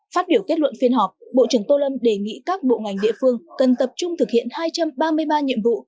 phát biểu kết luận phiên họp bộ trưởng tô lâm đề nghị các bộ ngành địa phương cần tập trung thực hiện hai trăm ba mươi ba nhiệm vụ